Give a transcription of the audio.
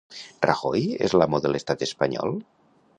Rajoy és l'amo de l'estat espanyol?